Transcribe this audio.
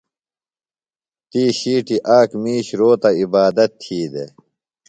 تی ݜِیٹی آک مِیش روتہ عبادت تھی دےۡ۔